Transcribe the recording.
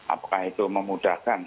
apakah itu memudahkan